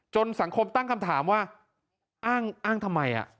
สังคมตั้งคำถามว่าอ้างทำไม